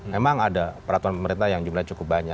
memang ada peraturan pemerintah yang jumlahnya cukup banyak